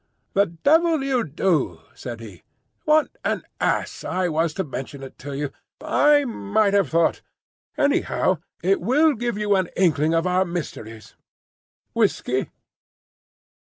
"The devil you do!" said he. "What an ass I was to mention it to you! I might have thought. Anyhow, it will give you an inkling of our—mysteries. Whiskey?"